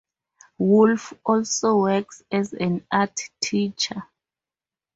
Woof also works as an art teacher.